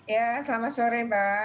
ya selamat sore mbak